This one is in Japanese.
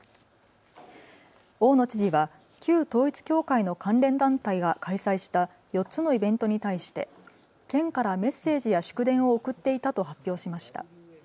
大野知事は旧統一教会の関連団体が開催した４つのイベントに対して県からメッセージや祝電を送っていたと発表しました。